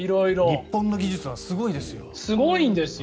日本の技術はすごいですよ。